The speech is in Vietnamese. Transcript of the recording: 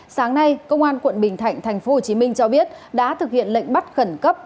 sáng nay công an quận bình thạnh tp hcm cho biết đã thực hiện lệnh bắt khẩn cấp